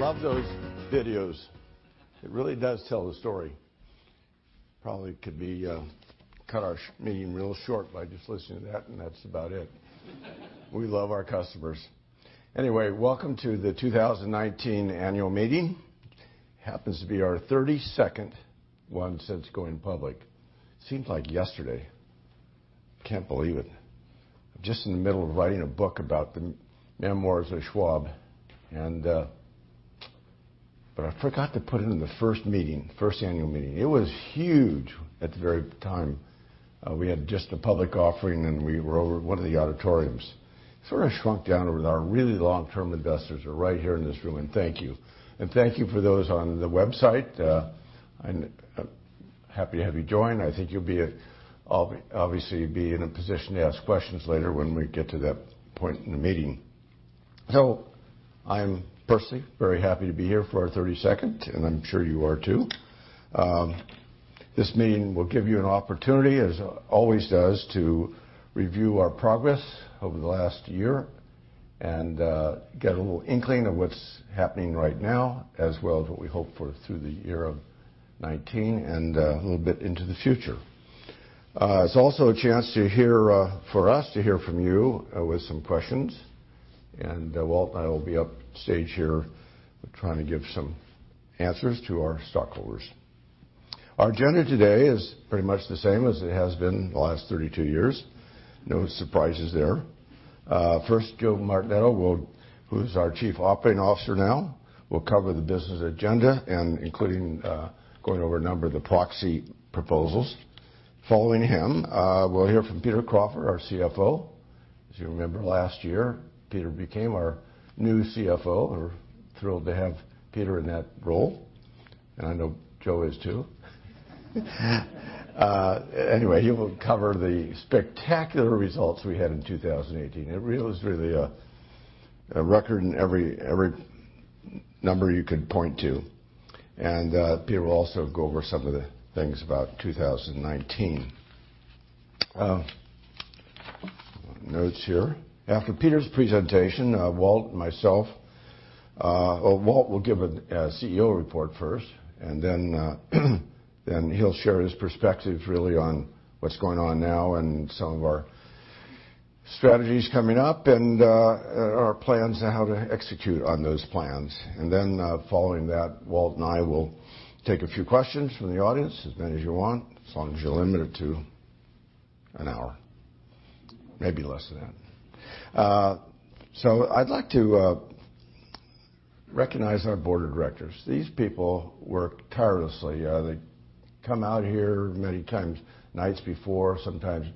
I love those videos. It really does tell the story. Probably could cut our meeting real short by just listening to that, and that is about it. We love our customers. Welcome to the 2019 annual meeting. Happens to be our 32nd one since going public. Seems like yesterday. Can't believe it. I am just in the middle of writing a book about the memoirs of Schwab, but I forgot to put in the first annual meeting. It was huge at the very time. We had just the public offering, and we were over one of the auditoriums. Sort of shrunk down with our really long-term investors are right here in this room, and thank you. Thank you for those on the website. I am happy to have you join. I think you will, obviously, be in a position to ask questions later when we get to that point in the meeting. I am personally very happy to be here for our 32nd, and I am sure you are, too. This meeting will give you an opportunity, as it always does, to review our progress over the last year and get a little inkling of what is happening right now, as well as what we hope for through the year of 2019 and a little bit into the future. It is also a chance for us to hear from you with some questions. Walt and I will be up stage here trying to give some answers to our stockholders. Our agenda today is pretty much the same as it has been the last 32 years. No surprises there. First, Joe Martinetto, who is our Chief Operating Officer now, will cover the business agenda, including going over a number of the proxy proposals. Following him, we will hear from Peter Crawford, our CFO. As you remember, last year, Peter became our new CFO. We are thrilled to have Peter in that role, and I know Joe is, too. He will cover the spectacular results we had in 2018. It really was a record in every number you could point to. Peter will also go over some of the things about 2019. Notes here. After Peter's presentation, Walt will give a CEO report first, then he will share his perspective on what is going on now and some of our strategies coming up and our plans on how to execute on those plans. Following that, Walt and I will take a few questions from the audience, as many as you want, as long as you limit it to an hour. Maybe less than that. I would like to recognize our board of directors. These people work tirelessly. They come out here many times, nights before, sometimes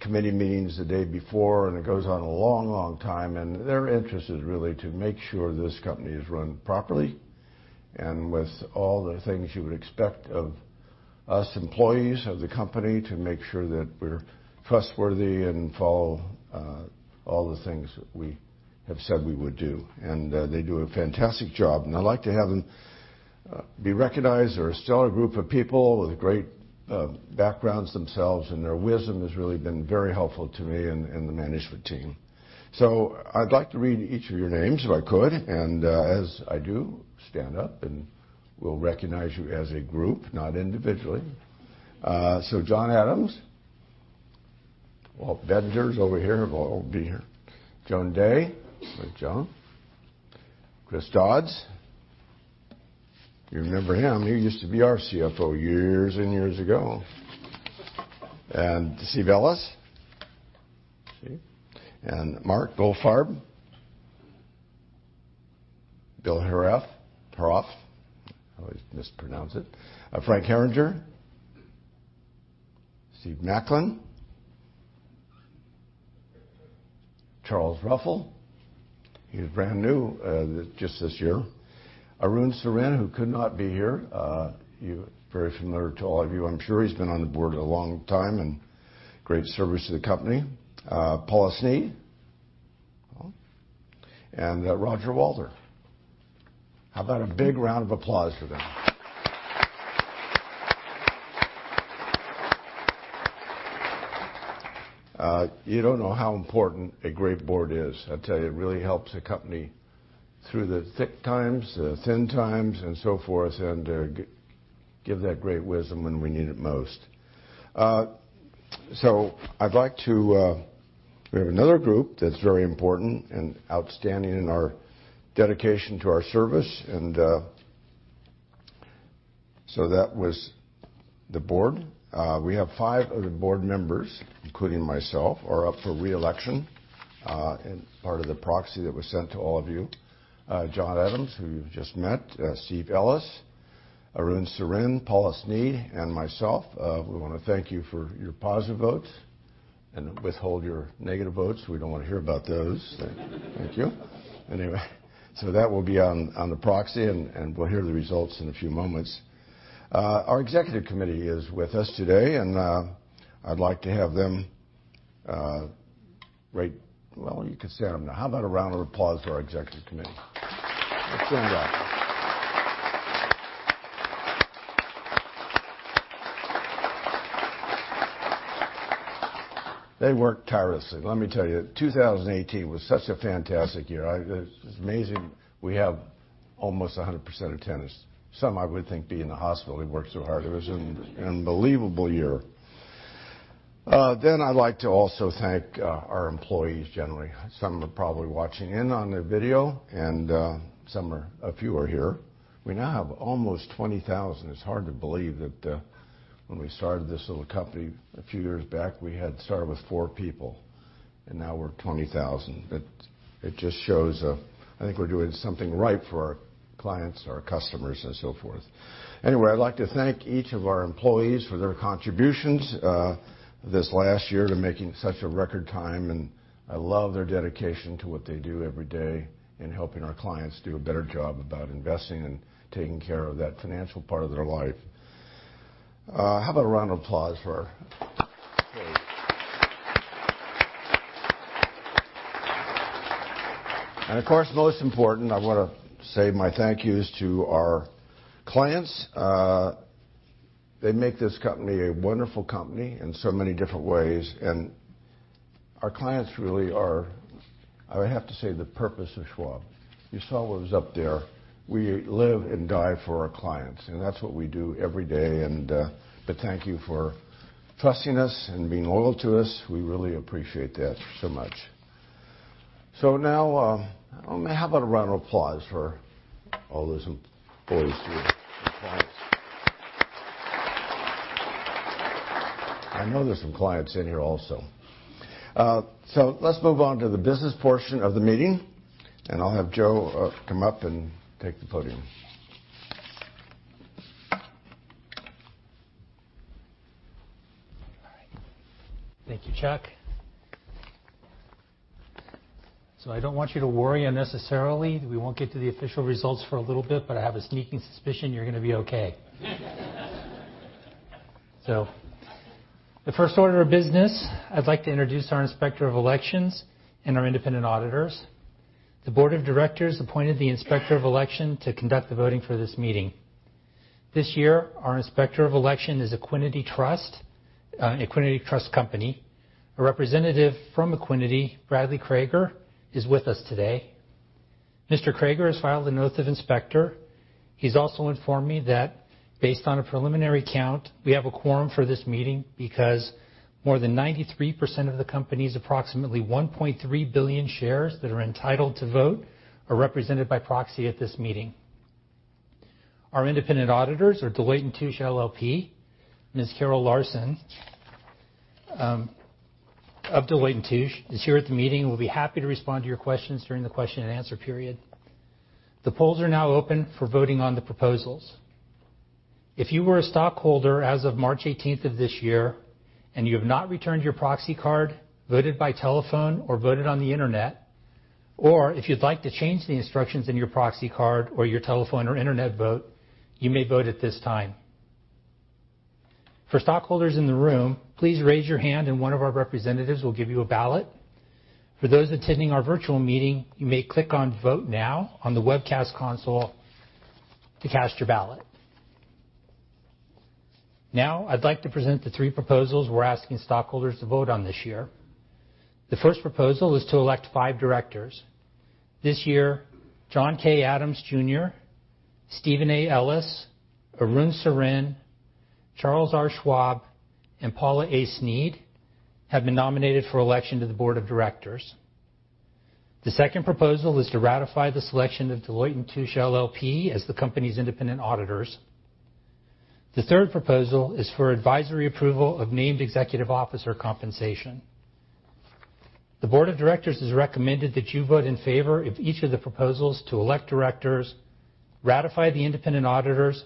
committee meetings the day before, and it goes on a long, long time. Their interest is really to make sure this company is run properly and with all the things you would expect of us employees of the company, to make sure that we are trustworthy and follow all the things that we have said we would do. They do a fantastic job, and I would like to have them be recognized. They are a stellar group of people with great backgrounds themselves, and their wisdom has really been very helpful to me and the management team. I would like to read each of your names if I could. As I do, stand up, and we will recognize you as a group, not individually. John Adams. Walt Bettinger is over here. Walt will be here. John Day. Hi, John. Chris Dodds. You remember him. He used to be our CFO years and years ago. Steve Ellis. Steve. Mark Goldfarb. Bill Haraf. I always mispronounce it. Frank Herringer. Steve McLin. Charles Ruffel. He is brand new just this year. Arun Sarin, who could not be here. Very familiar to all of you, I'm sure. He's been on the board a long time and great service to the company. Paula Sneed. Paula. Roger Walther. How about a big round of applause for them? You don't know how important a great board is. I tell you, it really helps the company through the thick times, the thin times, and so forth, and give that great wisdom when we need it most. We have another group that's very important and outstanding in our dedication to our service. That was the board. We have five of the board members, including myself, are up for re-election and part of the proxy that was sent to all of you. John Adams, who you've just met, Steve Ellis, Arun Sarin, Paula Sneed, and myself. We want to thank you for your positive votes and withhold your negative votes. We don't want to hear about those. Thank you. That will be on the proxy, and we'll hear the results in a few moments. Our executive committee is with us today, and I'd like to have them. Well, you can stand them now. How about a round of applause for our executive committee? Let's stand up. They work tirelessly. Let me tell you, 2018 was such a fantastic year. It's amazing, we have almost 100% attendance. Some, I would think, be in the hospital, they work so hard. It was an unbelievable year. I'd like to also thank our employees generally. Some are probably watching in on the video and a few are here. We now have almost 20,000. It's hard to believe that when we started this little company a few years back, we had started with four people, and now we're 20,000. I think we're doing something right for our clients, our customers, and so forth. I'd like to thank each of our employees for their contributions this last year to making such a record time, and I love their dedication to what they do every day in helping our clients do a better job about investing and taking care of that financial part of their life. How about a round of applause for our employees? Of course, most important, I want to say my thank yous to our clients. They make this company a wonderful company in so many different ways. Our clients really are, I have to say, the purpose of Schwab. You saw what was up there. We live and die for our clients, and that's what we do every day. Thank you for trusting us and being loyal to us. We really appreciate that so much. Now, how about a round of applause for all those employees here and clients? I know there's some clients in here also. Let's move on to the business portion of the meeting, and I'll have Joe come up and take the podium. All right. Thank you, Chuck. I don't want you to worry unnecessarily. We won't get to the official results for a little bit, but I have a sneaking suspicion you're going to be okay. The first order of business, I'd like to introduce our Inspector of Elections and our independent auditors. The Board of Directors appointed the Inspector of Elections to conduct the voting for this meeting. This year, our Inspector of Elections is Equiniti Trust Company. A representative from Equiniti, Brad Kreager, is with us today. Mr. Kreager has filed an oath of Inspector of Elections. He's also informed me that based on a preliminary count, we have a quorum for this meeting because more than 93% of the company's approximately 1.3 billion shares that are entitled to vote are represented by proxy at this meeting. Our independent auditors are Deloitte & Touche LLP. Ms. Carol Larsen of Deloitte & Touche is here at the meeting and will be happy to respond to your questions during the question and answer period. The polls are now open for voting on the proposals. If you were a stockholder as of March 18th of this year and you have not returned your proxy card, voted by telephone or voted on the internet, or if you'd like to change the instructions in your proxy card or your telephone or internet vote, you may vote at this time. For stockholders in the room, please raise your hand and one of our representatives will give you a ballot. For those attending our virtual meeting, you may click on Vote Now on the webcast console to cast your ballot. I'd like to present the three proposals we're asking stockholders to vote on this year. The first proposal is to elect five directors. This year, John K. Adams Jr., Stephen A. Ellis, Arun Sarin, Charles R. Schwab, and Paula A. Sneed have been nominated for election to the Board of Directors. The second proposal is to ratify the selection of Deloitte & Touche LLP as the company's independent auditors. The third proposal is for advisory approval of named executive officer compensation. The Board of Directors has recommended that you vote in favor of each of the proposals to elect directors, ratify the independent auditors,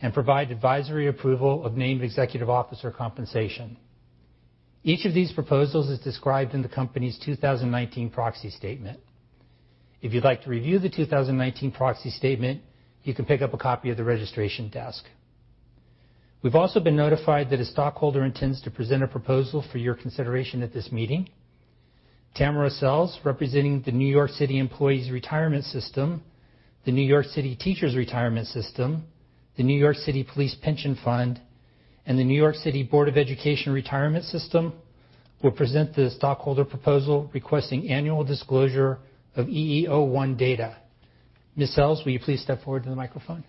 and provide advisory approval of named executive officer compensation. Each of these proposals is described in the company's 2019 proxy statement. If you'd like to review the 2019 proxy statement, you can pick up a copy at the registration desk. We've also been notified that a stockholder intends to present a proposal for your consideration at this meeting. Tamara Sells, representing the New York City Employees' Retirement System, the New York City Teachers' Retirement System, the New York City Police Pension Fund, and the New York City Board of Education Retirement System, will present the stockholder proposal requesting annual disclosure of EEO-1 data. Ms. Sells, will you please step forward to the microphone?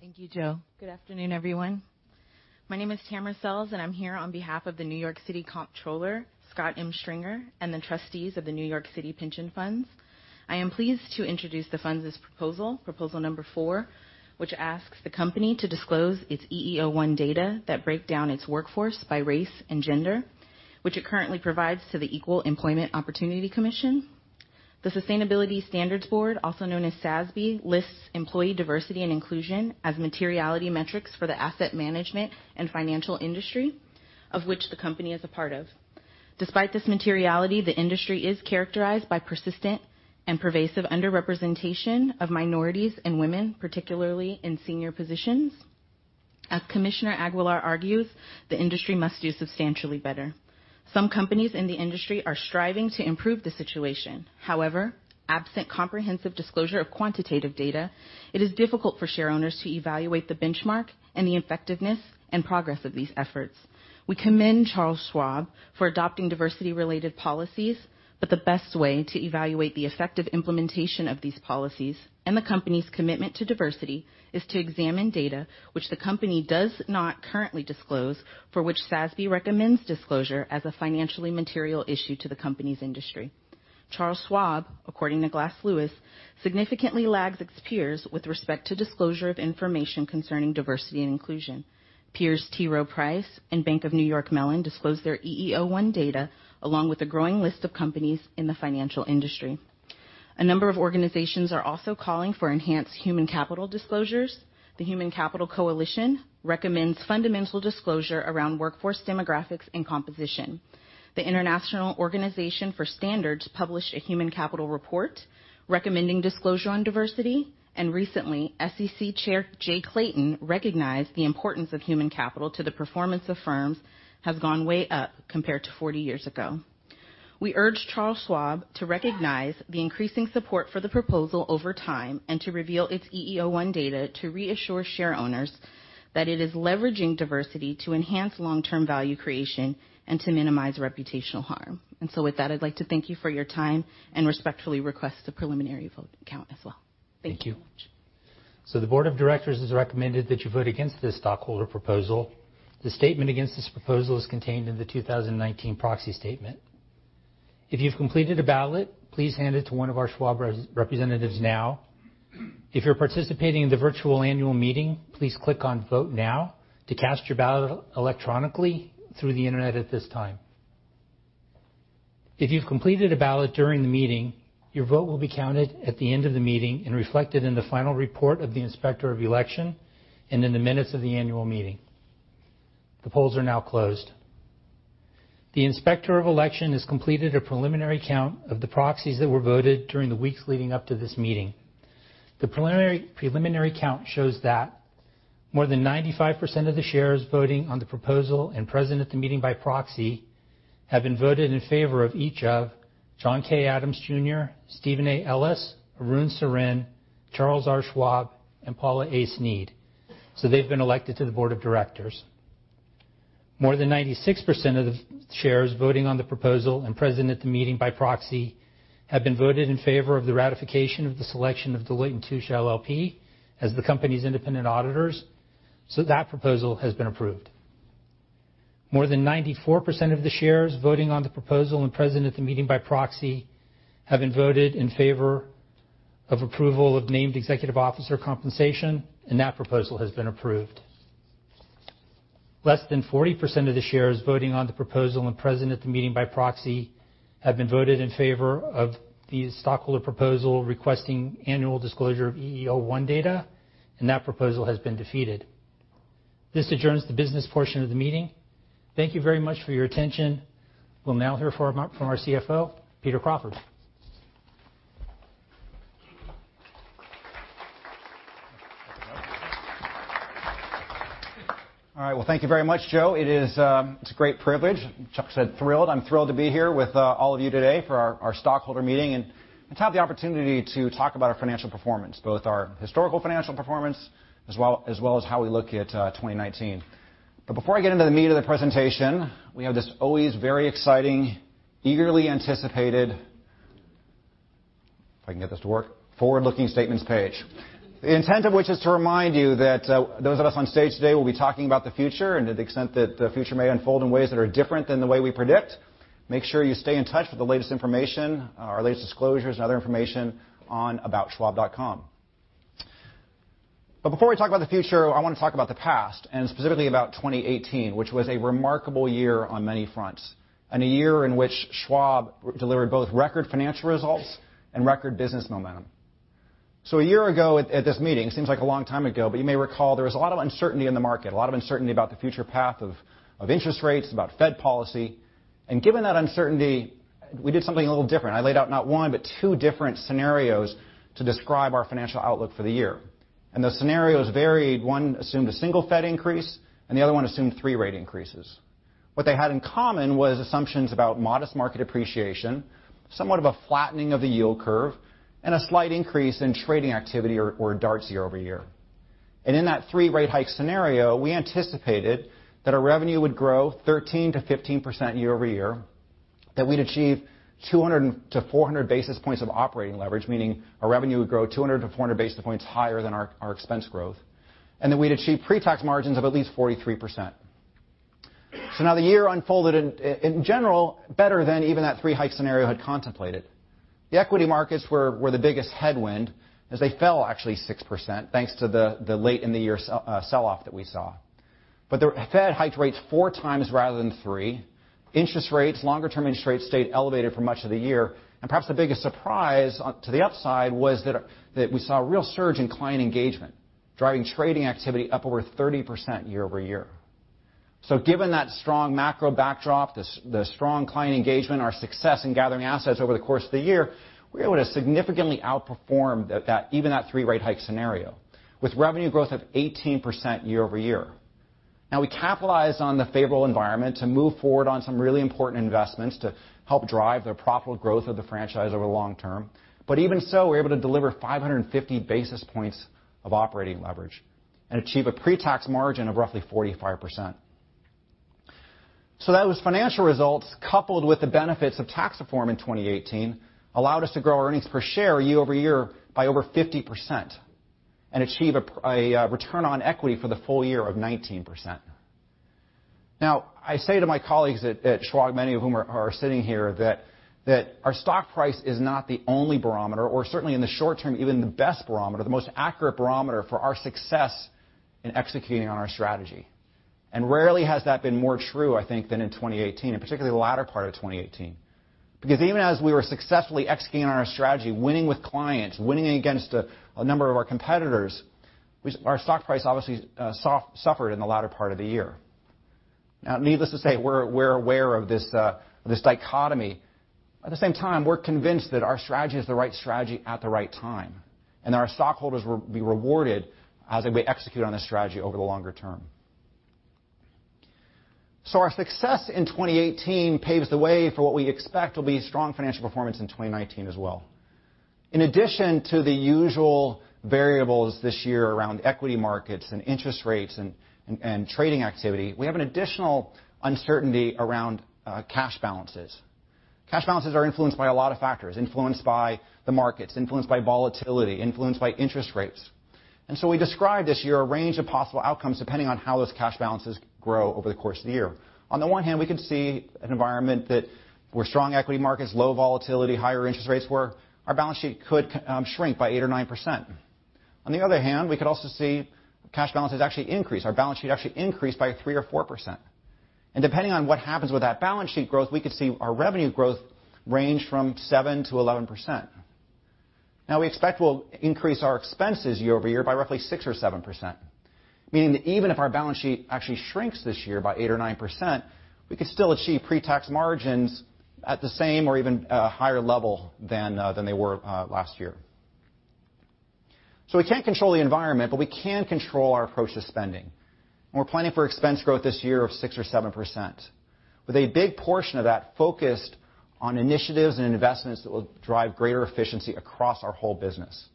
Thank you, Joe. Good afternoon, everyone. My name is Tamara Sells, I'm here on behalf of the New York City Comptroller, Scott M. Stringer, and the trustees of the New York City Pension Funds. I am pleased to introduce the fund's proposal number four, which asks the company to disclose its EEO-1 data that break down its workforce by race and gender, which it currently provides to the Equal Employment Opportunity Commission. The Sustainability Standards Board, also known as SASB, lists employee diversity and inclusion as materiality metrics for the asset management and financial industry, of which the company is a part of. Despite this materiality, the industry is characterized by persistent and pervasive under-representation of minorities and women, particularly in senior positions. Commissioner Aguilar argues, the industry must do substantially better. Some companies in the industry are striving to improve the situation. Absent comprehensive disclosure of quantitative data, it is difficult for share owners to evaluate the benchmark and the effectiveness and progress of these efforts. We commend Charles Schwab for adopting diversity-related policies, the best way to evaluate the effective implementation of these policies and the company's commitment to diversity is to examine data which the company does not currently disclose, for which SASB recommends disclosure as a financially material issue to the company's industry. Charles Schwab, according to Glass Lewis, significantly lags its peers with respect to disclosure of information concerning diversity and inclusion. Peers T. Rowe Price and Bank of New York Mellon disclose their EEO-1 data, along with a growing list of companies in the financial industry. A number of organizations are also calling for enhanced human capital disclosures. The Human Capital Coalition recommends fundamental disclosure around workforce demographics and composition. The International Organization for Standards published a human capital report recommending disclosure on diversity, recently, SEC Chair Jay Clayton recognized the importance of human capital to the performance of firms has gone way up compared to 40 years ago. We urge Charles Schwab to recognize the increasing support for the proposal over time, to reveal its EEO-1 data to reassure share owners that it is leveraging diversity to enhance long-term value creation and to minimize reputational harm. With that, I'd like to thank you for your time and respectfully request a preliminary vote count as well. Thank you. Thank you very much. The board of directors has recommended that you vote against this stockholder proposal. The statement against this proposal is contained in the 2019 proxy statement. If you've completed a ballot, please hand it to one of our Schwab representatives now. If you're participating in the virtual annual meeting, please click on Vote Now to cast your ballot electronically through the internet at this time. If you've completed a ballot during the meeting, your vote will be counted at the end of the meeting and reflected in the final report of the Inspector of Election and in the minutes of the annual meeting. The polls are now closed. The Inspector of Election has completed a preliminary count of the proxies that were voted during the weeks leading up to this meeting. The preliminary count shows that more than 95% of the shares voting on the proposal and present at the meeting by proxy have been voted in favor of each of John K. Adams, Jr., Stephen A. Ellis, Arun Sarin, Charles R. Schwab, and Paula A. Sneed. They've been elected to the board of directors. More than 96% of the shares voting on the proposal and present at the meeting by proxy have been voted in favor of the ratification of the selection of Deloitte & Touche LLP as the company's independent auditors, that proposal has been approved. More than 94% of the shares voting on the proposal and present at the meeting by proxy have been voted in favor of approval of named executive officer compensation, that proposal has been approved. Less than 40% of the shares voting on the proposal and present at the meeting by proxy have been voted in favor of the stockholder proposal requesting annual disclosure of EEO-1 data, that proposal has been defeated. This adjourns the business portion of the meeting. Thank you very much for your attention. We'll now hear from our CFO, Peter Crawford. All right. Well, thank you very much, Joe. It is a great privilege. Chuck said thrilled. I am thrilled to be here with all of you today for our stockholder meeting and to have the opportunity to talk about our financial performance, both our historical financial performance as well as how we look at 2019. Before I get into the meat of the presentation, we have this always very exciting, eagerly anticipated, if I can get this to work, forward-looking statements page. The intent of which is to remind you that those of us on stage today will be talking about the future, and to the extent that the future may unfold in ways that are different than the way we predict, make sure you stay in touch with the latest information, our latest disclosures and other information on aboutschwab.com. Before we talk about the future, I want to talk about the past, and specifically about 2018, which was a remarkable year on many fronts, and a year in which Schwab delivered both record financial results and record business momentum. A year ago at this meeting, it seems like a long time ago, but you may recall there was a lot of uncertainty in the market, a lot of uncertainty about the future path of interest rates, about Fed policy. Given that uncertainty, we did something a little different. I laid out not one, but two different scenarios to describe our financial outlook for the year. The scenarios varied. One assumed a single Fed increase, and the other one assumed three rate increases. What they had in common was assumptions about modest market appreciation, somewhat of a flattening of the yield curve, and a slight increase in trading activity or DART year-over-year. In that three-rate hike scenario, we anticipated that our revenue would grow 13%-15% year-over-year, that we would achieve 200 to 400 basis points of operating leverage, meaning our revenue would grow 200 to 400 basis points higher than our expense growth, and that we would achieve pre-tax margins of at least 43%. Now the year unfolded, in general, better than even that three-hike scenario had contemplated. The equity markets were the biggest headwind, as they fell actually 6%, thanks to the late in the year sell-off that we saw. The Fed hiked rates four times rather than three. Interest rates, longer-term interest rates, stayed elevated for much of the year. Perhaps the biggest surprise to the upside was that we saw a real surge in client engagement, driving trading activity up over 30% year-over-year. Given that strong macro backdrop, the strong client engagement, our success in gathering assets over the course of the year, we were able to significantly outperform even that three-rate hike scenario with revenue growth of 18% year-over-year. We capitalized on the favorable environment to move forward on some really important investments to help drive the profitable growth of the franchise over the long term. Even so, we were able to deliver 550 basis points of operating leverage and achieve a pre-tax margin of roughly 45%. Those financial results, coupled with the benefits of tax reform in 2018, allowed us to grow earnings per share year-over-year by over 50% and achieve a return on equity for the full year of 19%. I say to my colleagues at Schwab, many of whom are sitting here, that our stock price is not the only barometer or certainly in the short term, even the best barometer, the most accurate barometer for our success in executing on our strategy. Rarely has that been more true, I think, than in 2018, and particularly the latter part of 2018. Because even as we were successfully executing on our strategy, winning with clients, winning against a number of our competitors, our stock price obviously suffered in the latter part of the year. Needless to say, we're aware of this dichotomy. At the same time, we're convinced that our strategy is the right strategy at the right time, and that our stockholders will be rewarded as we execute on this strategy over the longer term. Our success in 2018 paves the way for what we expect will be strong financial performance in 2019 as well. In addition to the usual variables this year around equity markets and interest rates and trading activity, we have an additional uncertainty around cash balances. Cash balances are influenced by a lot of factors, influenced by the markets, influenced by volatility, influenced by interest rates. We described this year a range of possible outcomes depending on how those cash balances grow over the course of the year. On the one hand, we could see an environment where strong equity markets, low volatility, higher interest rates where our balance sheet could shrink by 8% or 9%. On the other hand, we could also see cash balances actually increase. Our balance sheet actually increase by 3% or 4%. Depending on what happens with that balance sheet growth, we could see our revenue growth range from 7%-11%. We expect we'll increase our expenses year-over-year by roughly 6% or 7%, meaning that even if our balance sheet actually shrinks this year by 8% or 9%, we could still achieve pre-tax margins at the same or even a higher level than they were last year. We can't control the environment, but we can control our approach to spending. We're planning for expense growth this year of 6% or 7%, with a big portion of that focused on initiatives and investments that will drive greater efficiency across our whole business.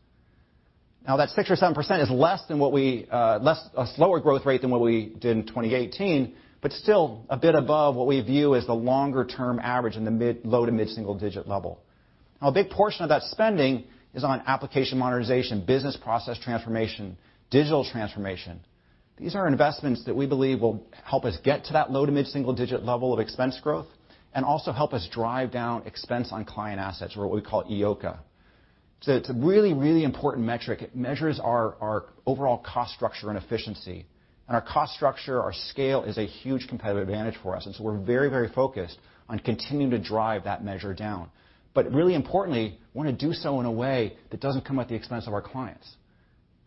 That 6% or 7% is a slower growth rate than what we did in 2018, but still a bit above what we view as the longer-term average in the low-to-mid single-digit level. A big portion of that spending is on application modernization, business process transformation, digital transformation. These are investments that we believe will help us get to that low-to-mid single-digit level of expense growth and also help us drive down expense on client assets, or what we call EOCA. It's a really, really important metric. It measures our overall cost structure and efficiency, and our cost structure, our scale is a huge competitive advantage for us. We're very, very focused on continuing to drive that measure down. Really importantly, want to do so in a way that doesn't come at the expense of our clients.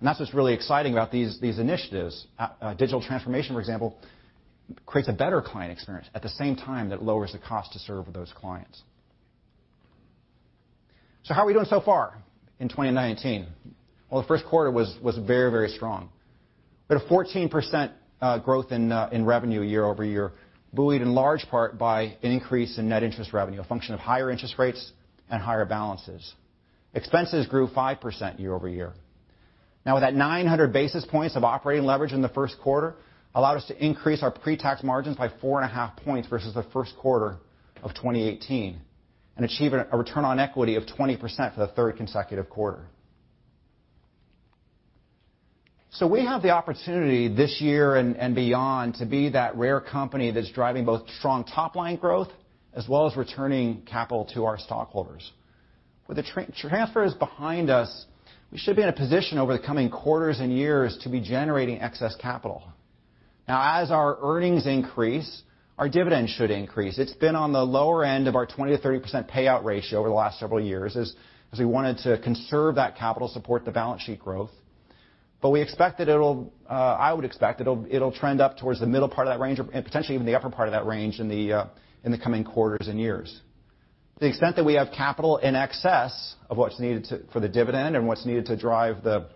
That's what's really exciting about these initiatives. Digital transformation, for example, creates a better client experience at the same time that it lowers the cost to serve those clients. How are we doing so far in 2019? Well, the first quarter was very, very strong. We had a 14% growth in revenue year-over-year, buoyed in large part by an increase in net interest revenue, a function of higher interest rates and higher balances. Expenses grew 5% year-over-year. With that 900 basis points of operating leverage in the first quarter allowed us to increase our pre-tax margins by 4.5 points versus the first quarter of 2018 and achieve a return on equity of 20% for the third consecutive quarter. We have the opportunity this year and beyond to be that rare company that's driving both strong top-line growth as well as returning capital to our stockholders. With the transfers behind us, we should be in a position over the coming quarters and years to be generating excess capital. As our earnings increase, our dividend should increase. It's been on the lower end of our 20%-30% payout ratio over the last several years as we wanted to conserve that capital, support the balance sheet growth. I would expect it'll trend up towards the middle part of that range, and potentially even the upper part of that range in the coming quarters and years. To the extent that we have capital in excess of what's needed for the dividend and what's needed to drive the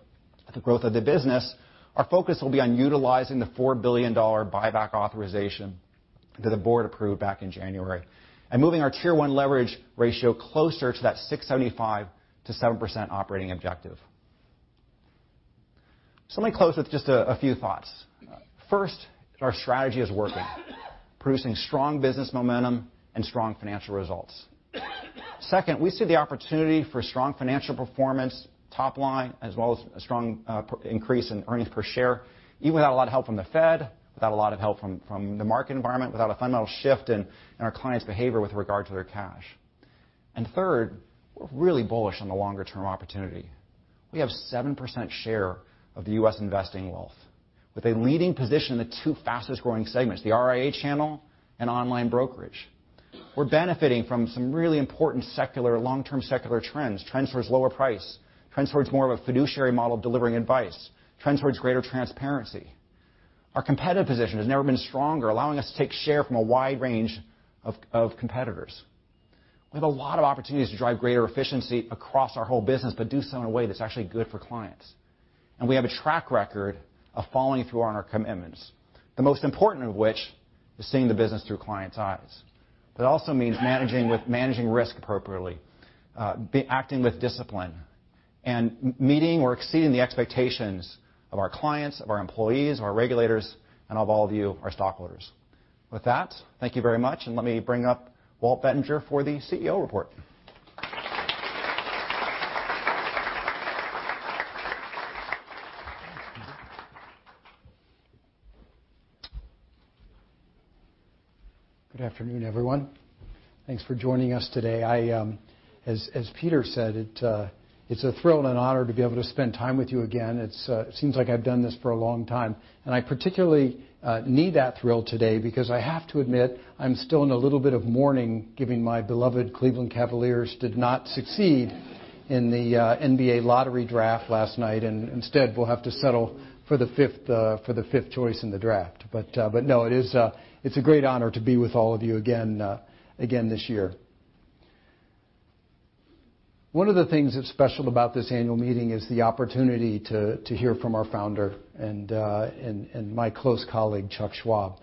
growth of the business, our focus will be on utilizing the $4 billion buyback authorization that the board approved back in January and moving our tier one leverage ratio closer to that 675 to 7% operating objective. Let me close with just a few thoughts. First, our strategy is working, producing strong business momentum and strong financial results. Second, we see the opportunity for strong financial performance top line, as well as a strong increase in earnings per share, even without a lot of help from the Fed, without a lot of help from the market environment, without a fundamental shift in our clients' behavior with regard to their cash. Third, we're really bullish on the longer-term opportunity. We have 7% share of the U.S. investing wealth with a leading position in the two fastest-growing segments, the RIA channel and online brokerage. We're benefiting from some really important long-term secular trends. Trends towards lower price, trends towards more of a fiduciary model of delivering advice, trends towards greater transparency. Our competitive position has never been stronger, allowing us to take share from a wide range of competitors. We have a lot of opportunities to drive greater efficiency across our whole business, but do so in a way that's actually good for clients. We have a track record of following through on our commitments, the most important of which is seeing the business Through Clients' Eyes. That also means managing risk appropriately, acting with discipline, and meeting or exceeding the expectations of our clients, of our employees, our regulators, and of all of you, our stockholders. With that, thank you very much, and let me bring up Walt Bettinger for the CEO report. Good afternoon, everyone. Thanks for joining us today. As Peter said, it's a thrill and an honor to be able to spend time with you again. It seems like I've done this for a long time. I particularly need that thrill today because I have to admit, I'm still in a little bit of mourning, given my beloved Cleveland Cavaliers did not succeed in the NBA lottery draft last night, and instead will have to settle for the fifth choice in the draft. No, it's a great honor to be with all of you again this year. One of the things that's special about this annual meeting is the opportunity to hear from our founder and my close colleague, Chuck Schwab.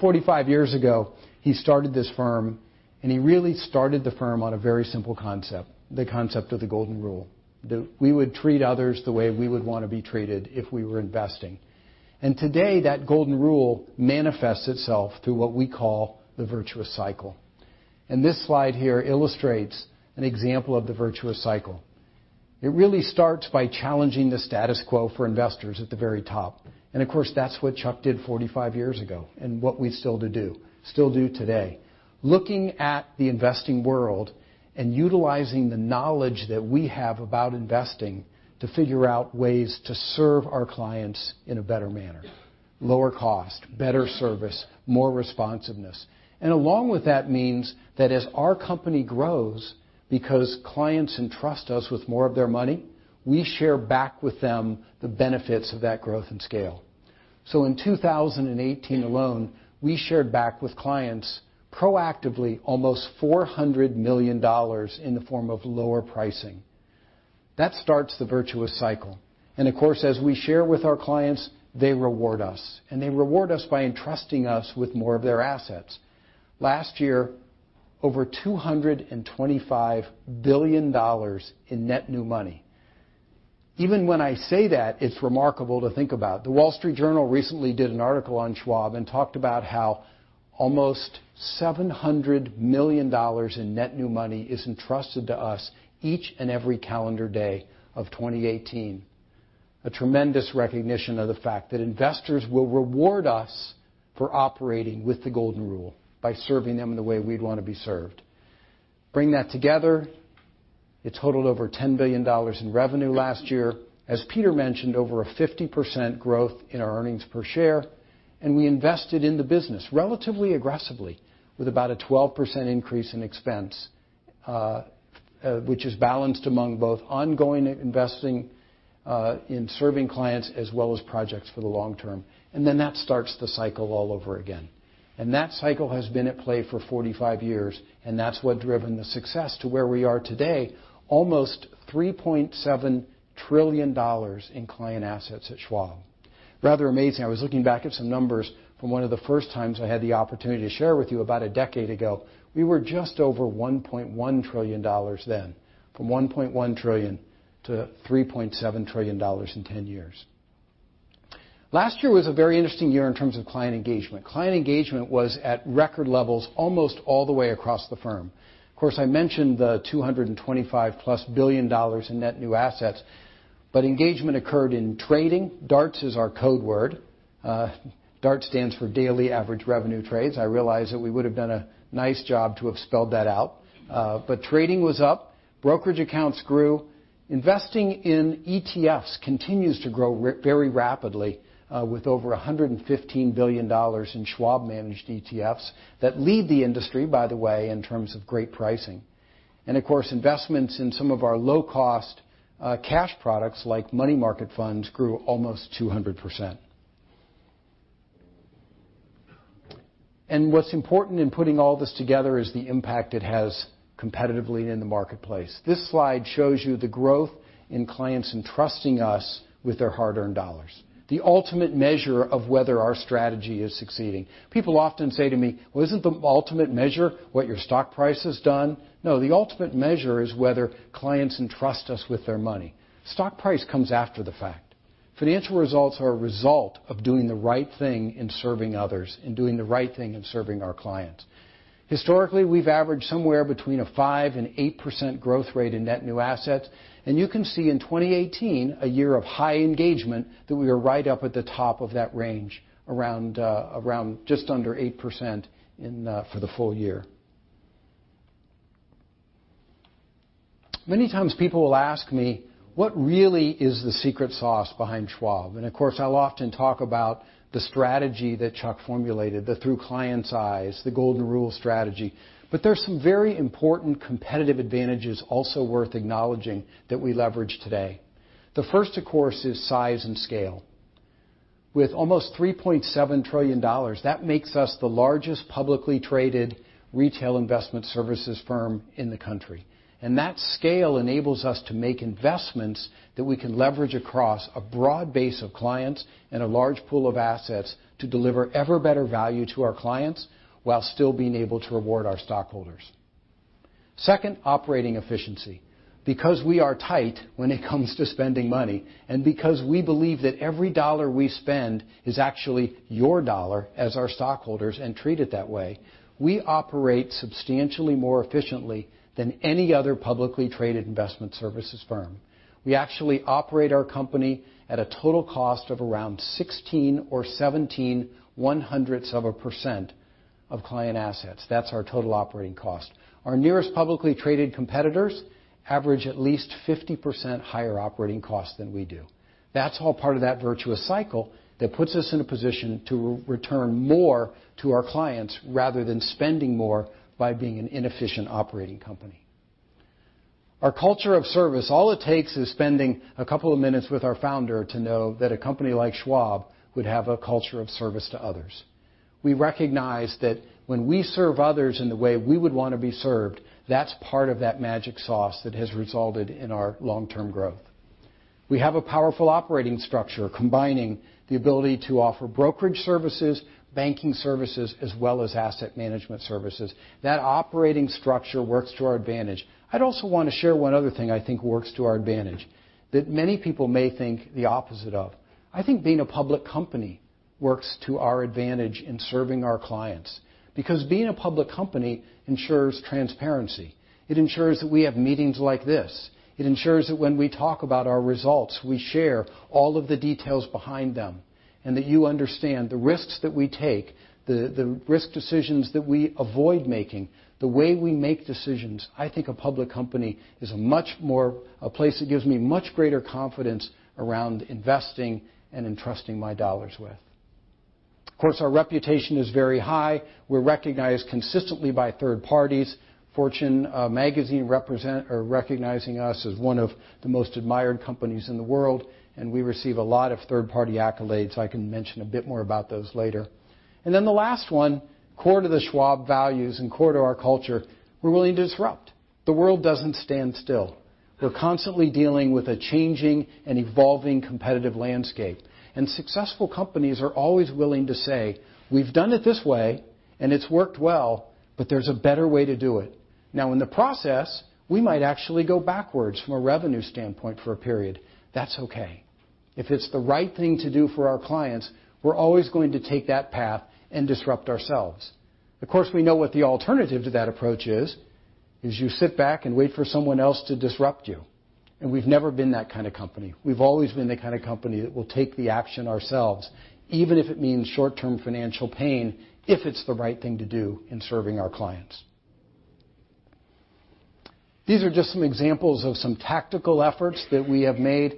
45 years ago, he started this firm. He really started the firm on a very simple concept, the concept of the golden rule, that we would treat others the way we would want to be treated if we were investing. Today, that golden rule manifests itself through what we call the virtuous cycle. This slide here illustrates an example of the virtuous cycle. It really starts by challenging the status quo for investors at the very top. Of course, that's what Chuck did 45 years ago, and what we still do today. Looking at the investing world and utilizing the knowledge that we have about investing to figure out ways to serve our clients in a better manner. Lower cost, better service, more responsiveness. Along with that means that as our company grows because clients entrust us with more of their money, we share back with them the benefits of that growth and scale. In 2018 alone, we shared back with clients proactively almost $400 million in the form of lower pricing. That starts the virtuous cycle. Of course, as we share with our clients, they reward us, and they reward us by entrusting us with more of their assets. Last year, over $225 billion in net new money. Even when I say that, it's remarkable to think about. The Wall Street Journal recently did an article on Schwab and talked about how almost $700 million in net new money is entrusted to us each and every calendar day of 2018. A tremendous recognition of the fact that investors will reward us for operating with the golden rule, by serving them the way we'd want to be served. Bring that together, it totaled over $10 billion in revenue last year. As Peter mentioned, over a 50% growth in our earnings per share, and we invested in the business relatively aggressively with about a 12% increase in expense, which is balanced among both ongoing investing in serving clients as well as projects for the long term. That starts the cycle all over again. That cycle has been at play for 45 years, and that's what driven the success to where we are today, almost $3.7 trillion in client assets at Schwab. Rather amazing. I was looking back at some numbers from one of the first times I had the opportunity to share with you about a decade ago. We were just over $1.1 trillion then. From $1.1 trillion to $3.7 trillion in 10 years. Last year was a very interesting year in terms of client engagement. Client engagement was at record levels almost all the way across the firm. Of course, I mentioned the $225-plus billion in net new assets, engagement occurred in trading. DARTs is our code word. DART stands for Daily Average Revenue Trades. I realize that we would've done a nice job to have spelled that out. Trading was up. Brokerage accounts grew. Investing in ETFs continues to grow very rapidly with over $115 billion in Schwab-managed ETFs that lead the industry, by the way, in terms of great pricing. Of course, investments in some of our low-cost cash products, like money market funds, grew almost 200%. What's important in putting all this together is the impact it has competitively in the marketplace. This slide shows you the growth in clients entrusting us with their hard-earned dollars. The ultimate measure of whether our strategy is succeeding. People often say to me, "Well, isn't the ultimate measure what your stock price has done?" No. The ultimate measure is whether clients entrust us with their money. Stock price comes after the fact. Financial results are a result of doing the right thing and serving others and doing the right thing and serving our clients. Historically, we've averaged somewhere between a 5% and 8% growth rate in net new assets, you can see in 2018, a year of high engagement, that we are right up at the top of that range, around just under 8% for the full year. Many times people will ask me, "What really is the secret sauce behind Schwab?" Of course, I'll often talk about the strategy that Chuck formulated, the Through Clients' Eyes, the golden rule strategy. There's some very important competitive advantages also worth acknowledging that we leverage today. The first, of course, is size and scale. With almost $3.7 trillion, that makes us the largest publicly traded retail investment services firm in the country. That scale enables us to make investments that we can leverage across a broad base of clients and a large pool of assets to deliver ever better value to our clients while still being able to reward our stockholders. Second, operating efficiency. Because we are tight when it comes to spending money, and because we believe that every dollar we spend is actually your dollar as our stockholders and treat it that way, we operate substantially more efficiently than any other publicly traded investment services firm. We actually operate our company at a total cost of around 16 or 17 one-hundredths of a percent of client assets. That's our total operating cost. Our nearest publicly traded competitors average at least 50% higher operating costs than we do. That's all part of that virtuous cycle that puts us in a position to return more to our clients rather than spending more by being an inefficient operating company. Our culture of service, all it takes is spending a couple of minutes with our founder to know that a company like Schwab would have a culture of service to others. We recognize that when we serve others in the way we would want to be served, that's part of that magic sauce that has resulted in our long-term growth. We have a powerful operating structure, combining the ability to offer brokerage services, banking services, as well as asset management services. That operating structure works to our advantage. I'd also want to share one other thing I think works to our advantage that many people may think the opposite of. I think being a public company works to our advantage in serving our clients, because being a public company ensures transparency. It ensures that we have meetings like this. It ensures that when we talk about our results, we share all of the details behind them, and that you understand the risks that we take, the risk decisions that we avoid making, the way we make decisions. I think a public company is a place that gives me much greater confidence around investing and entrusting my dollars with. Of course, our reputation is very high. We're recognized consistently by third parties. "Fortune" magazine recognizing us as one of the most admired companies in the world, and we receive a lot of third-party accolades. I can mention a bit more about those later. The last one, core to the Schwab values and core to our culture, we're willing to disrupt. The world doesn't stand still. We're constantly dealing with a changing and evolving competitive landscape. Successful companies are always willing to say, "We've done it this way, and it's worked well, but there's a better way to do it." In the process, we might actually go backwards from a revenue standpoint for a period. That's okay. If it's the right thing to do for our clients, we're always going to take that path and disrupt ourselves. Of course, we know what the alternative to that approach is you sit back and wait for someone else to disrupt you. We've never been that kind of company. We've always been the kind of company that will take the action ourselves, even if it means short-term financial pain, if it's the right thing to do in serving our clients. These are just some examples of some tactical efforts that we have made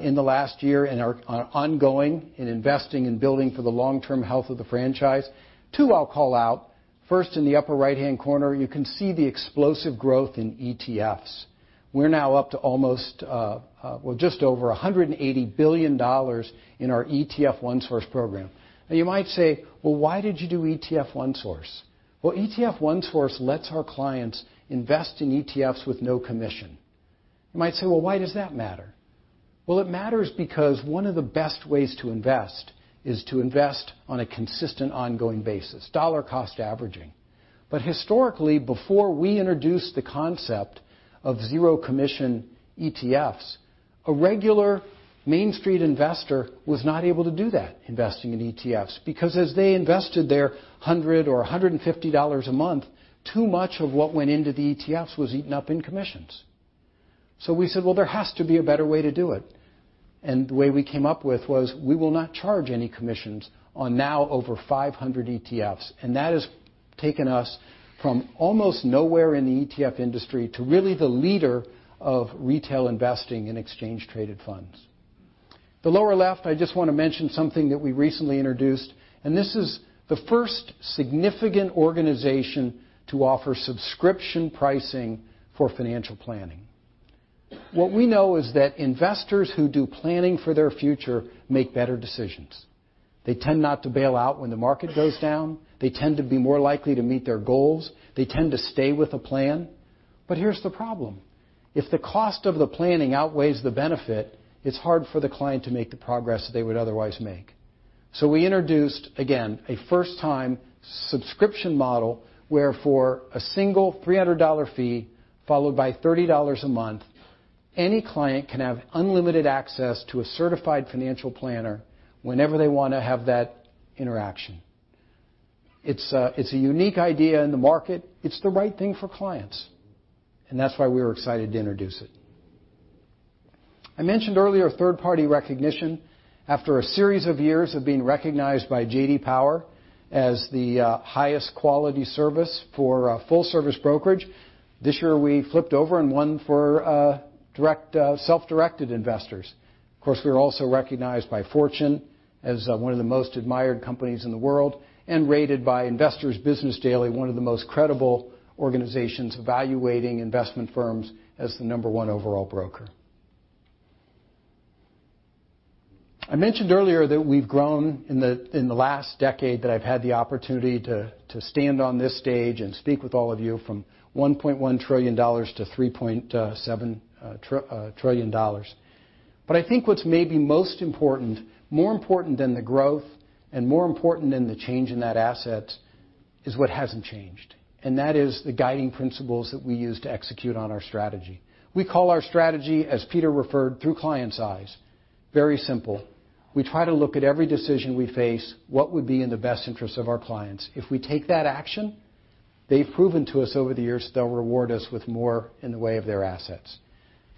in the last year and are ongoing in investing in building for the long-term health of the franchise. Two I'll call out. First, in the upper right-hand corner, you can see the explosive growth in ETFs. We're now up to just over $180 billion in our Schwab ETF OneSource program. You might say, "Why did you do Schwab ETF OneSource?" Schwab ETF OneSource lets our clients invest in ETFs with no commission. You might say, "Well, why does that matter?" It matters because one of the best ways to invest is to invest on a consistent, ongoing basis, dollar cost averaging. Historically, before we introduced the concept of zero commission ETFs, a regular Main Street investor was not able to do that investing in ETFs, because as they invested their 100 or $150 a month, too much of what went into the ETFs was eaten up in commissions. We said, "There has to be a better way to do it." The way we came up with was we will not charge any commissions on now over 500 ETFs, and that has taken us from almost nowhere in the ETF industry to really the leader of retail investing in exchange traded funds. The lower left, I just want to mention something that we recently introduced, and this is the first significant organization to offer subscription pricing for financial planning. What we know is that investors who do planning for their future make better decisions. They tend not to bail out when the market goes down. They tend to be more likely to meet their goals. They tend to stay with a plan. Here's the problem. If the cost of the planning outweighs the benefit, it's hard for the client to make the progress that they would otherwise make. We introduced, again, a first-time subscription model where for a single $300 fee, followed by $30 a month, any client can have unlimited access to a certified financial planner whenever they want to have that interaction. It's a unique idea in the market. It's the right thing for clients, and that's why we were excited to introduce it. I mentioned earlier third-party recognition. After a series of years of being recognized by J.D. Power as the highest quality service for full service brokerage, this year we flipped over and won for self-directed investors. Of course, we are also recognized by Fortune as one of the most admired companies in the world, and rated by Investor's Business Daily, one of the most credible organizations evaluating investment firms, as the number 1 overall broker. I mentioned earlier that we've grown, in the last decade that I've had the opportunity to stand on this stage and speak with all of you, from $1.1 trillion to $3.7 trillion. I think what's maybe most important, more important than the growth and more important than the change in that asset, is what hasn't changed. That is the guiding principles that we use to execute on our strategy. We call our strategy, as Peter referred, Through Clients' Eyes. Very simple. We try to look at every decision we face, what would be in the best interest of our clients? If we take that action, they've proven to us over the years that they'll reward us with more in the way of their assets.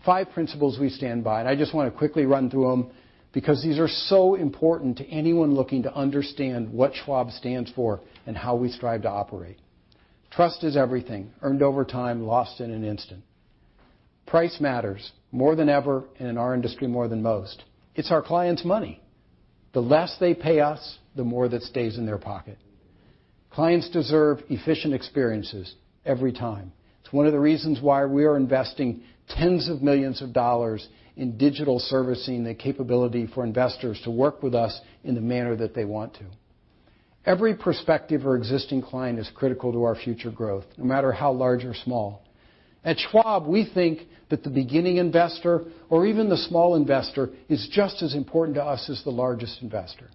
Five principles we stand by. I just want to quickly run through them because these are so important to anyone looking to understand what Schwab stands for and how we strive to operate. Trust is everything. Earned over time, lost in an instant. Price matters more than ever, and in our industry, more than most. It's our clients' money. The less they pay us, the more that stays in their pocket. Clients deserve efficient experiences every time. It's one of the reasons why we are investing tens of millions of dollars in digital servicing the capability for investors to work with us in the manner that they want to. Every prospective or existing client is critical to our future growth, no matter how large or small. At Schwab, we think that the beginning investor or even the small investor is just as important to us as the largest investor.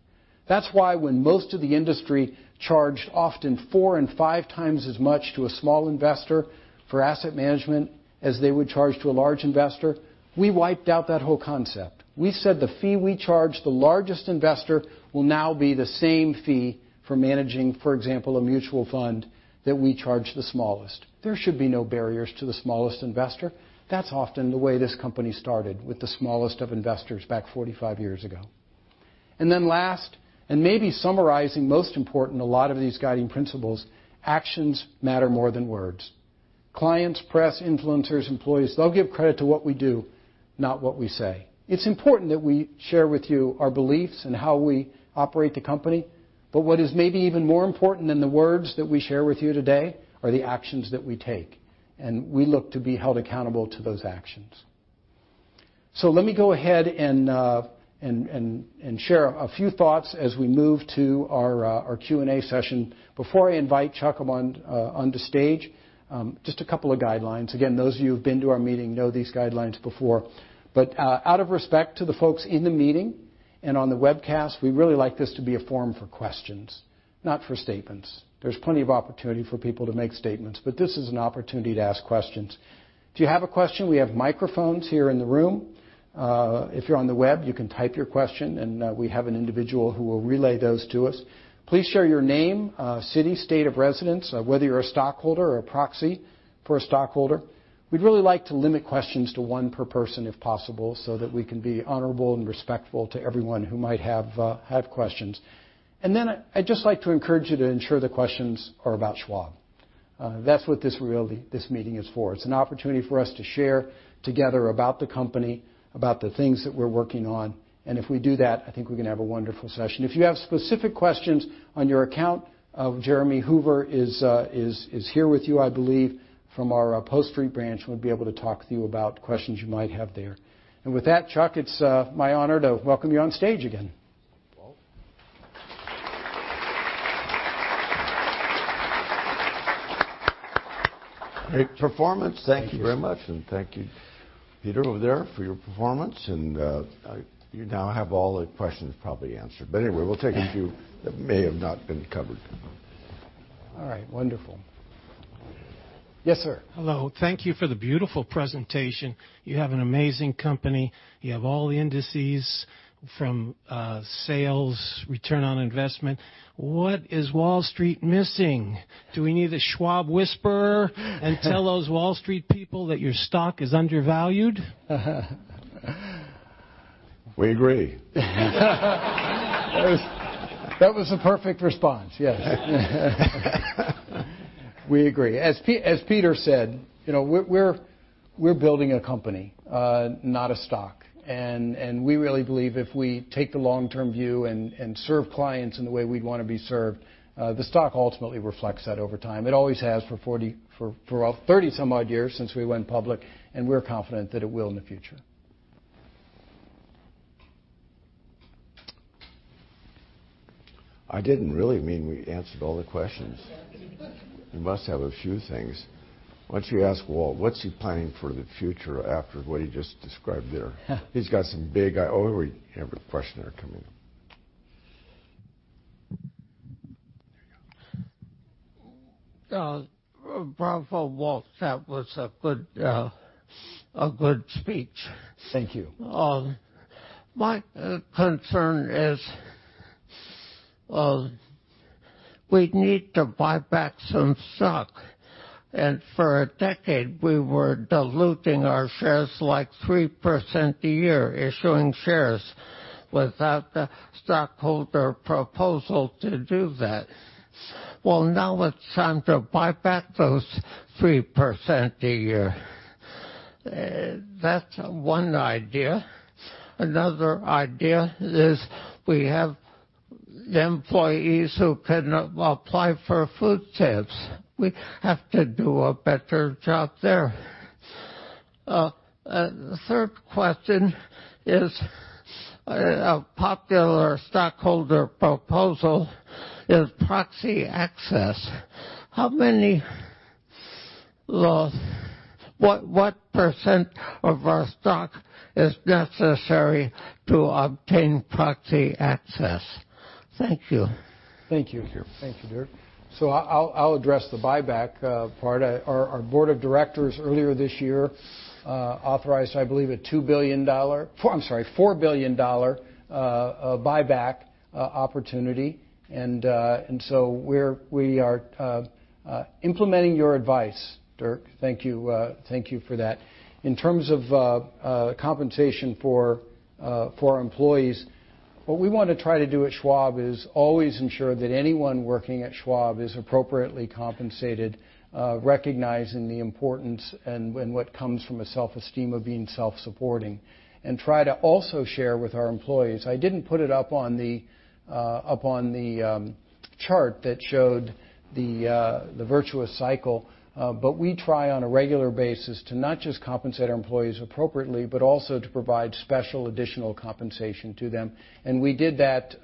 That's why when most of the industry charged often four and five times as much to a small investor for asset management as they would charge to a large investor, we wiped out that whole concept. We said the fee we charge the largest investor will now be the same fee for managing, for example, a mutual fund that we charge the smallest. There should be no barriers to the smallest investor. That's often the way this company started, with the smallest of investors back 45 years ago. Last, maybe summarizing most important a lot of these guiding principles, actions matter more than words. Clients, press, influencers, employees, they'll give credit to what we do, not what we say. It's important that we share with you our beliefs and how we operate the company, but what is maybe even more important than the words that we share with you today are the actions that we take, and we look to be held accountable to those actions. Let me go ahead and share a few thoughts as we move to our Q&A session. Before I invite Chuck onto stage, just a couple of guidelines. Again, those of you who've been to our meeting know these guidelines before. Out of respect to the folks in the meeting and on the webcast, we really like this to be a forum for questions, not for statements. There's plenty of opportunity for people to make statements, but this is an opportunity to ask questions. If you have a question, we have microphones here in the room. If you're on the web, you can type your question and we have an individual who will relay those to us. Please share your name, city, state of residence, whether you're a stockholder or a proxy for a stockholder. We'd really like to limit questions to one per person if possible, so that we can be honorable and respectful to everyone who might have questions. I'd just like to encourage you to ensure the questions are about Schwab. That's what this meeting is for. It's an opportunity for us to share together about the company, about the things that we're working on, and if we do that, I think we're going to have a wonderful session. If you have specific questions on your account, Jeremy Hoover is here with you, I believe, from our Post Street branch, would be able to talk to you about questions you might have there. With that, Chuck, it's my honor to welcome you on stage again. Thank you, Walt. Great performance. Thank you very much, and thank you, Peter, over there for your performance. You now have all the questions probably answered. Anyway, we'll take a few that may have not been covered. All right. Wonderful. Yes, sir. Hello. Thank you for the beautiful presentation. You have an amazing company. You have all the indices from sales, return on investment. What is Wall Street missing? Do we need a Schwab whisperer and tell those Wall Street people that your stock is undervalued? We agree. That was a perfect response. Yes. We agree. As Peter said, we're building a company, not a stock, and we really believe if we take the long-term view and serve clients in the way we'd want to be served, the stock ultimately reflects that over time. It always has for 30 some odd years since we went public, and we're confident that it will in the future. I didn't really mean we answered all the questions. You must have a few things. Why don't you ask Walt, what's he planning for the future after what he just described there? He's got some. Oh, we have a questioner coming in. There you go. Bravo, Walt. That was a good speech. Thank you. My concern is. Well, we need to buy back some stock. For a decade, we were diluting our shares like 3% a year, issuing shares without the stockholder proposal to do that. Now it's time to buy back those 3% a year. That's one idea. Another idea is we have the employees who cannot apply for food stamps. We have to do a better job there. A third question is a popular stockholder proposal is proxy access. What percent of our stock is necessary to obtain proxy access? Thank you. Thank you. Thank you. I'll address the buyback part. Our board of directors, earlier this year, authorized, I believe, $4 billion buyback opportunity. We are implementing your advice, Dirk. Thank you for that. In terms of compensation for our employees, what we want to try to do at Schwab is always ensure that anyone working at Schwab is appropriately compensated, recognizing the importance and what comes from a self-esteem of being self-supporting, and try to also share with our employees. I didn't put it up on the chart that showed the virtuous cycle, but we try on a regular basis to not just compensate our employees appropriately, but also to provide special additional compensation to them. We did that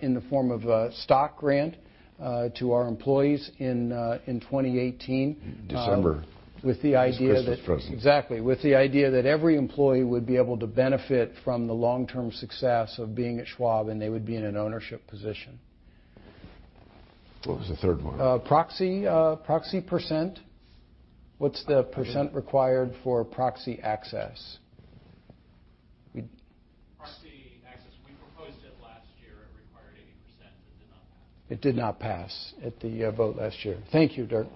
in the form of a stock grant to our employees in 2018. December with the idea that. As a Christmas present. Exactly. With the idea that every employee would be able to benefit from the long-term success of being at Schwab, and they would be in an ownership position. What was the third one? Proxy %. What's the % required for proxy access? Proxy access, we proposed it last year. It required 80%, it did not pass. It did not pass at the vote last year. Thank you, Dirk.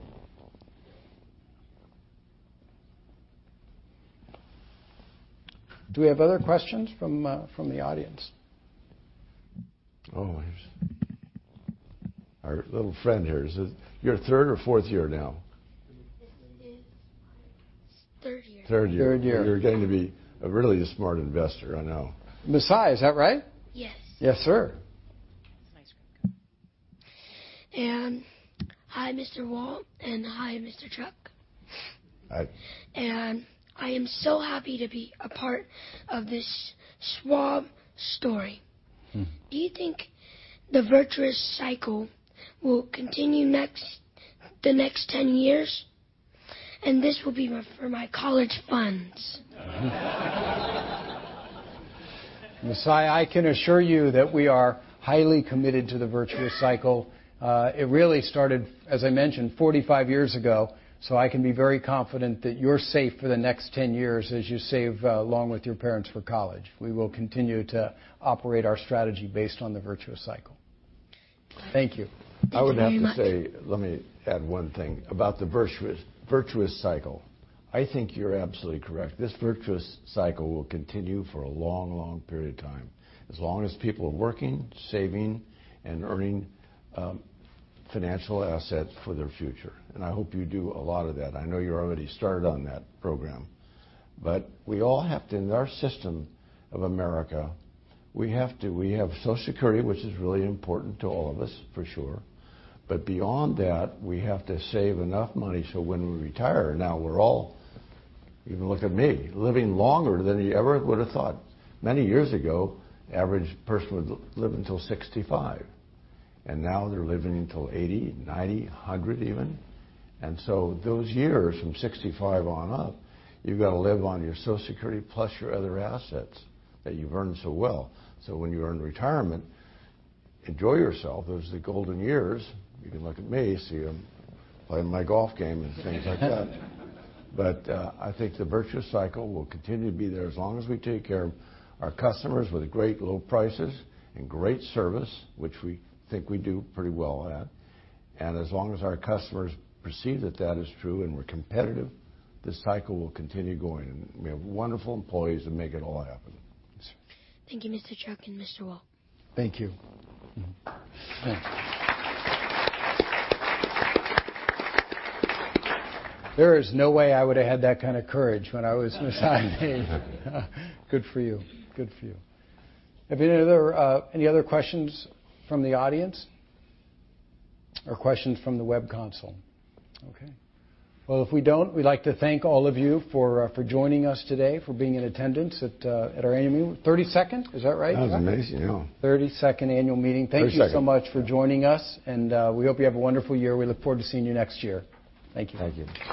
Do we have other questions from the audience? Oh, here's our little friend here. Is it your third or fourth year now? This is my third year. Third year. Third year. You're going to be really a smart investor, I know. Messiah, is that right? Yes. Yes, sir. That's a nice grip. Hi, Mr. Walt, and hi, Mr. Chuck. Hi. I am so happy to be a part of this Schwab story. Do you think the virtuous cycle will continue the next 10 years? This will be for my college funds. Messiah, I can assure you that we are highly committed to the virtuous cycle. It really started, as I mentioned, 45 years ago. I can be very confident that you're safe for the next 10 years as you save along with your parents for college. We will continue to operate our strategy based on the virtuous cycle. Thank you. Thank you very much. I would have to say, let me add one thing about the virtuous cycle. I think you're absolutely correct. This virtuous cycle will continue for a long period of time, as long as people are working, saving, and earning financial assets for their future. I hope you do a lot of that. I know you're already started on that program. We all have to, in our system of America, we have Social Security, which is really important to all of us, for sure. Beyond that, we have to save enough money so when we retire, now we're all, even look at me, living longer than you ever would've thought. Many years ago, average person would live until 65, and now they're living until 80, 90, 100 even. Those years from 65 on up, you've got to live on your Social Security plus your other assets that you've earned so well. When you earn retirement, enjoy yourself. Those are the golden years. You can look at me, see I'm playing my golf game and things like that. I think the virtuous cycle will continue to be there as long as we take care of our customers with great low prices and great service, which we think we do pretty well at. As long as our customers perceive that that is true and we're competitive, this cycle will continue going. We have wonderful employees that make it all happen. Thank you, Mr. Chuck and Mr. Walt. Thank you. There is no way I would've had that kind of courage when I was Messiah's age. Good for you. Any other questions from the audience or questions from the web console? Okay. Well, if we don't, we'd like to thank all of you for joining us today, for being in attendance at our annual 32nd? Is that right? That was amazing, yeah. 32nd annual meeting. 32nd. Thank you so much for joining us, and we hope you have a wonderful year. We look forward to seeing you next year. Thank you. Thank you.